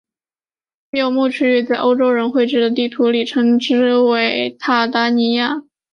其游牧区域在欧洲人绘制的地图里称之为鞑靼利亚。